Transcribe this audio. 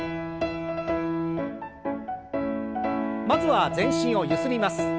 まずは全身をゆすります。